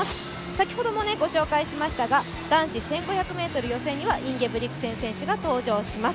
先ほどもご紹介しましたが、男子１５００ｍ予選にはインゲブリクセン選手が登場します。